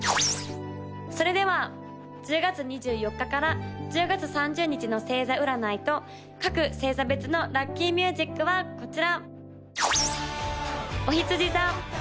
それでは１０月２４日から１０月３０日の星座占いと各星座別のラッキーミュージックはこちら！